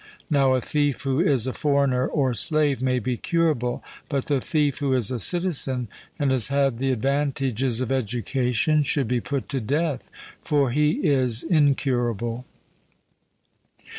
Now a thief who is a foreigner or slave may be curable; but the thief who is a citizen, and has had the advantages of education, should be put to death, for he is incurable.